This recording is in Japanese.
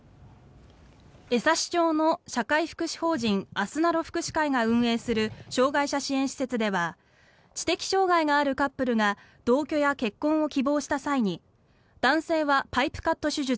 江差町の社会福祉法人あすなろ福祉会が運営する障害者支援施設では知的障害があるカップルが同居や結婚を希望した際に男性はパイプカット手術